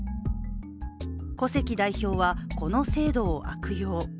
古関代表は、この制度を悪用。